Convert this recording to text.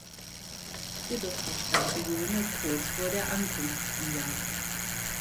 Jedoch verstarb jene kurz vor der Ankunft von Janke.